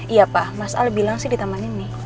iya pak mas al bilang sih di taman ini